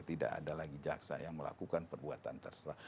tidak ada lagi jaksa yang melakukan perbuatan terserah